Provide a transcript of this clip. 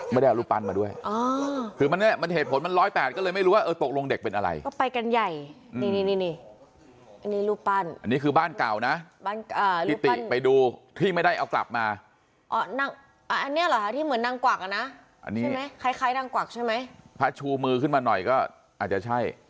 ไม่ได้เอาลูกปั้นมาด้วยถึงเหตุผล๑๒๐ก็เลยไม่รู้ว่าตกลงเด็กเป็นอะไร